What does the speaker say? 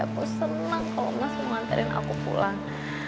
aku senang kalau mas mau nganterin aku pulang